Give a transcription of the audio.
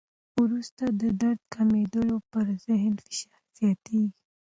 وروسته د درد کمېدو، پر ذهن فشار زیاتېږي.